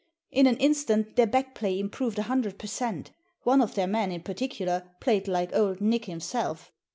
In an instant their back play improved a hundred per cent One of their men, in particular, played like Old Nick himself.